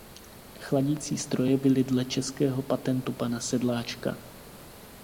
Chladicí stroje byly dle českého patentu pana Sedláčka.